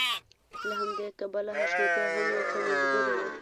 له همدې کبله حشمتی هم يو څه مجبور و.